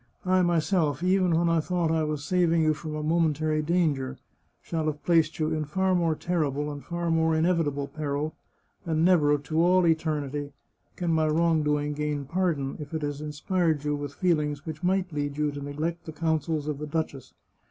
I myself, even when I thought I was saving you from a momentary danger, shall have placed you in far more terrible and far more inevitable peril, and never, to all eternity, can my wrongdoing gain pardon, if it has inspired you with feelings which might lead you to neglect the counsels of the duchess.